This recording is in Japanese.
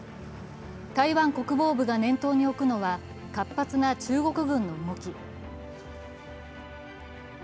台湾国防部が念頭に置くのは活発な中国軍の動き。